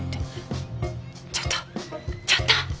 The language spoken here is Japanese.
ちょっとちょっと！